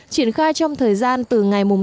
triển khai trong thời gian từ ngày một